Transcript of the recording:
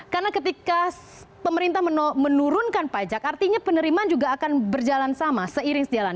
karena ketika pemerintah menurunkan pajak artinya penerimaan juga akan berjalan sama seiring sejalan